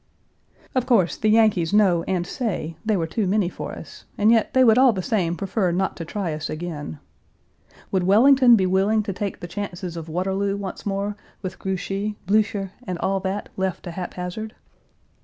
Of course, the Yankees know and say they were too many for us, and yet they would all the same prefer not to try us again. Would Wellington be willing to take the chances of Waterloo once more with Grouchy, Blücher, and all that Page 400 left to haphazard?